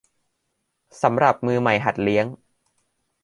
สำหรับมือใหม่หัดเลี้ยง